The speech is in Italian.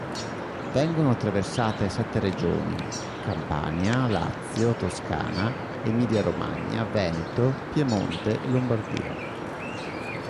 Vengono attraversate sette regioni: Campania, Lazio, Toscana, Emilia Romagna, Veneto, Piemonte e Lombardia.